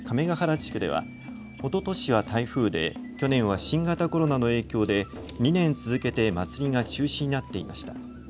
地区ではおととしは台風で、去年は新型コロナの影響で２年続けて祭りが中止になっていました。